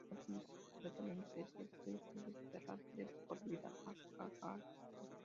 La policía secreta lo interceptó y fue desterrado de por vida a Kazajistán.